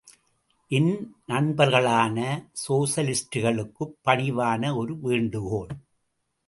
என் நண்பர்களான சோசலிஸ்டுகளுக்குப் பணிவான ஒரு வேண்டுகோள்.